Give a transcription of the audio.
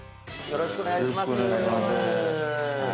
よろしくお願いします